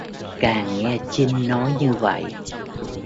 càng nghe chinh nói như vậy